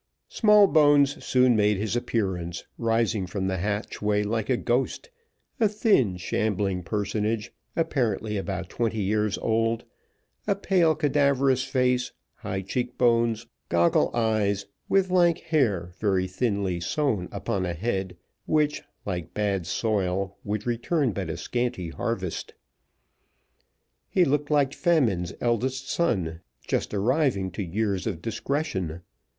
Smallbones soon made his appearance, rising from the hatchway like a ghost; a thin, shambling personage, apparently about twenty years old a pale, cadaverous face, high cheek bones, goggle eyes, with lank hair very thinly sown upon a head, which, like bad soil, would return but a scanty harvest. He looked like Famine's eldest son just arriving to years of discretion.